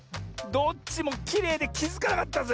どっちもきれいできづかなかったぜ。